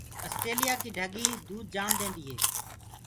اسٽيليِآ ڪي ڍڳي دود جآم ديندي هي۔